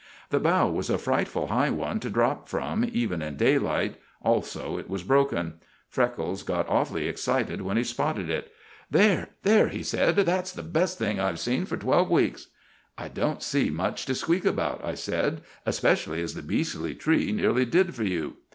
The bough was a frightful high one to drop from even in daylight, also it was broken. Freckles got awfully excited when he spotted it. "There! there!" he said, "that's the best thing I've seen for twelve weeks!" "I don't see much to squeak about," I said, "especially as the beastly tree nearly did for you."